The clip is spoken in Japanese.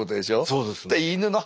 そうです。